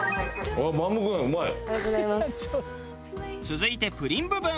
続いてプリン部分。